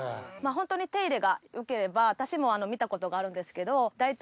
ホントに手入れが良ければ私も見たことがあるんですけど大体。